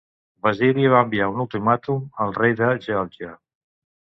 Basili va enviar un ultimàtum al rei de Geòrgia.